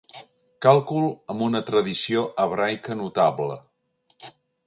Càlcul amb una tradició hebraica notable.